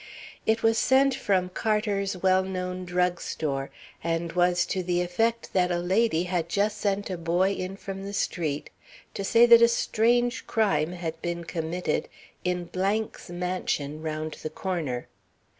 It was sent from Carter's well known drug store, and was to the effect that a lady had just sent a boy in from the street to say that a strange crime had been committed in 's mansion round the corner.